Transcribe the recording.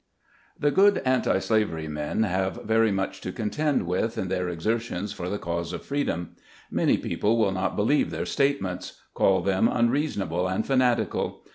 SHE good anti slavery men have very much to contend with, in their exertions for the cause of freedom. Many people will not believe their statements; call them unreasonable and fanatical.